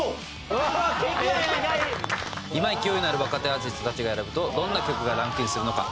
大倉：今、勢いのある若手アーティストたちが選ぶとどんな曲がランクインするのか。